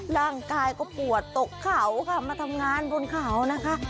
ร่างกายก็ปวดตกเขาค่ะมาทำงานบนเขานะคะ